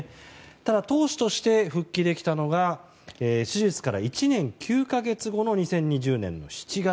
ただ、投手として復帰できたのが手術から１年９か月後の２０２０年７月。